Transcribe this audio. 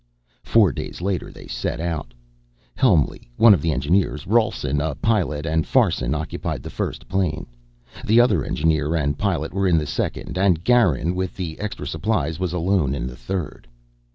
Four days later they set out. Helmly, one of the engineers, Rawlson, a pilot, and Farson occupied the first plane. The other engineer and pilot were in the second and Garin, with the extra supplies, was alone in the third.